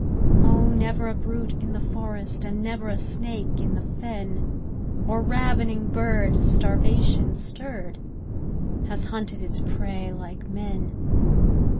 Oh, never a brute in the forest, And never a snake in the fen, Or ravening bird, starvation stirred, Has hunted its prey like men.